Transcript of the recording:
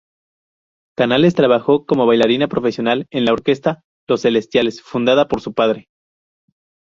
Canales trabajó como bailarina profesional en la orquesta Los Celestiales, fundada por su padre.